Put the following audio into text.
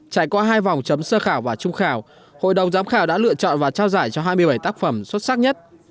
trải qua hai vòng chấm sơ khảo và trung khảo hội đồng giám khảo đã lựa chọn và trao giải cho hai mươi bảy tác phẩm xuất sắc nhất